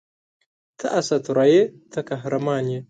ته اسطوره یې ته قهرمان یې